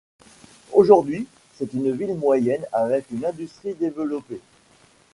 Aujourd'hui, c'est une ville moyenne avec une industrie développée.